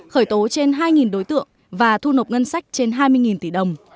khởi tố trên hai đối tượng và thu nộp ngân sách trên hai mươi tỷ đồng